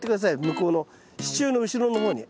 向こうの支柱の後ろの方に。